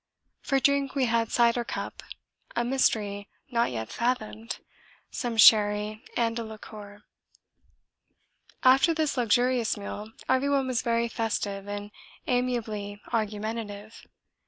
For drink we had cider cup, a mystery not yet fathomed, some sherry and a liqueur. After this luxurious meal everyone was very festive and amiably argumentative.